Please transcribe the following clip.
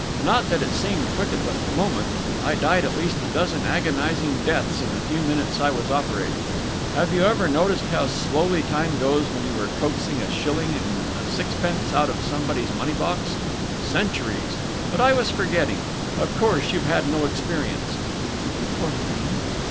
"Not that it seemed quick at the moment. I died at least a dozen agonizing deaths in the few minutes I was operating. Have you ever noticed how slowly time goes when you are coaxing a shilling and a sixpence out of somebody's money box? Centuries! But I was forgetting. Of course you've had no experience." "You poor thing!"